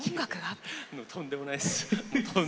とんでもないです。